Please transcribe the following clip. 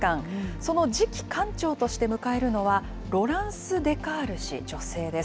その次期館長として迎えるのは、ロランス・デカール氏、女性です。